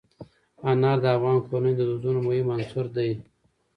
انار د افغان کورنیو د دودونو مهم عنصر دی.